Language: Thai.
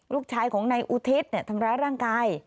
ลูกชายของนายอุทิศทำร้ายร่างกาย